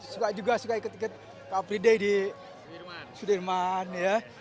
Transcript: suka juga suka ikut ikut car free day di sudirman ya